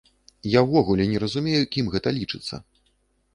Я ўвогуле не разумею, кім гэта лічыцца.